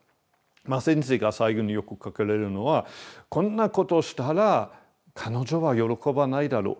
先生が最後によく書かれるのはこんなことしたら彼女は喜ばないだろう。